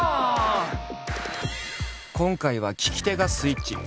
今回は聞き手がスイッチ！